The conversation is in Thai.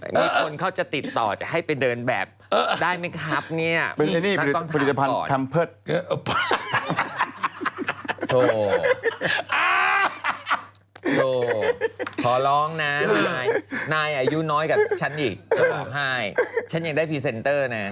หนี้คนเขาจะติดต่อจะให้ไปเดินแบบ